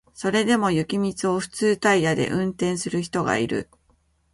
それでも雪道を普通タイヤで運転する人がいる